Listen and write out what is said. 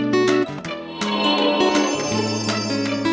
มีใครที่อยู่ในที่นี่